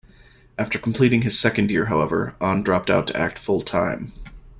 After completing his second year, however, Ahn dropped out to act full-time.